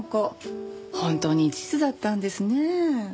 本当に一途だったんですねえ。